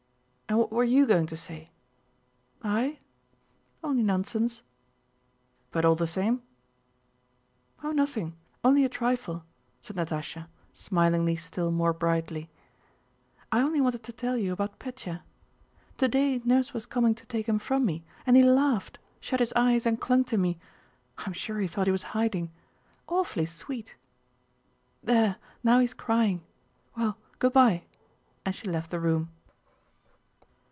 "And what were you going to say?" "I? Only nonsense." "But all the same?" "Oh nothing, only a trifle," said Natásha, smiling still more brightly. "I only wanted to tell you about Pétya: today nurse was coming to take him from me, and he laughed, shut his eyes, and clung to me. I'm sure he thought he was hiding. Awfully sweet! There, now he's crying. Well, good by!" and she left the room.